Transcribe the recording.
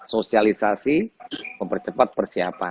sosialisasi mempercepat persiapan